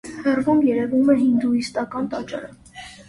Հեռվում երևում է հինդուիստական տաճարը։